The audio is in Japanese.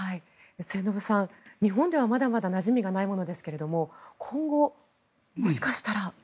末延さん、日本ではまだまだなじみがないものですが今後、もしかしたら。